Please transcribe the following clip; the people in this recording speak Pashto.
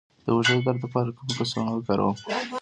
د اوږې د درد لپاره کومه کڅوړه وکاروم؟